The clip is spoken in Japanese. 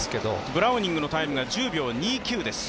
ブラウニングのタイムが１０秒２９です。